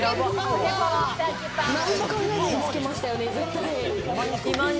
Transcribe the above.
何も考えずにつけましたよね、絶対に。